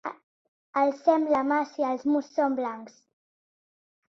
Alcem la mà si els murs són blancs!